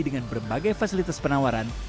dengan berbagai fasilitas penawaran